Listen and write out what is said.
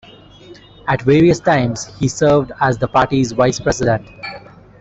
At various times, he served as the party's vice-president.